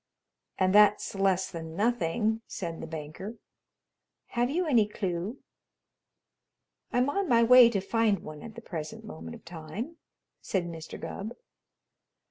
"And that's less than nothing," said the banker. "Have you any clue?" "I'm on my way to find one at the present moment of time," said Mr. Gubb.